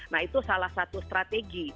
nah itu salah satu strategi